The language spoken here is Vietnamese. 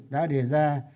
đã đề ra